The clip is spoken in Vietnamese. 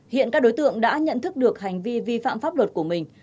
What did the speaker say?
hiện các đối tượng đã nhận thức được hành vi vi phạm pháp luật của mình